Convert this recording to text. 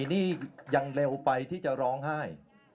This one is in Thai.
นี่ยังเร็วไปที่จะร้องไห้